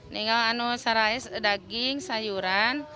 dengan sarais daging sayuran